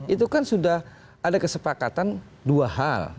itu kan sudah ada kesepakatan dua hal